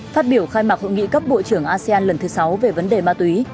phát biểu khai mạc hội nghị cấp bộ trưởng asean lần thứ sáu về vấn đề ma túy